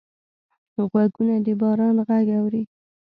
غوږونه د باران غږ اوري